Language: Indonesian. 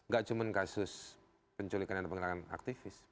gak cuman kasus penculikan dan penghilangan aktivis